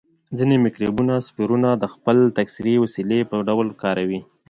ځینې مکروبونه سپورونه د خپل تکثري وسیلې په ډول کاروي.